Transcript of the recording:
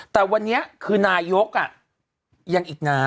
แต่วันนี้คือนายกยังอีกนะ